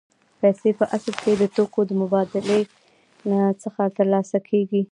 پیسې په اصل کې د توکو له مبادلې څخه ترلاسه کېږي